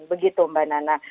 begitu mbak nana